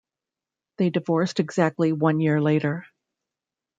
They divorced exactly one year later.